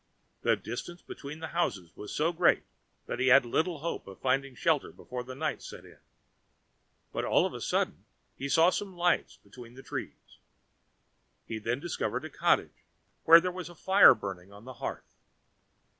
The distance between the houses was so great that he had little hope of finding a shelter before the night set in. But all of a sudden he saw some lights between the trees. He then discovered a cottage, where there was a fire burning on the hearth.